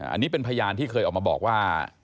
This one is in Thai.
อันนี้เป็นพยานที่เคยออกมาบอกว่า